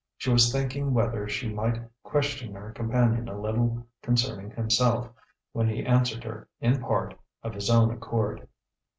She was thinking whether she might question her companion a little concerning himself, when he answered her, in part, of his own accord.